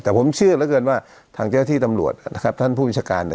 แต่ผมเชื่อเหลือเกินว่าทางเจ้าที่ตำรวจนะครับท่านผู้วิชาการ